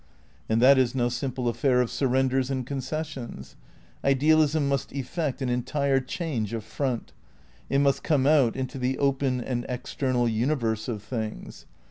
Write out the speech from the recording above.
And that is no simple affair of surrenders and concessions. Idealism must effect an entire change of front. It must come out into the open and external universe of things.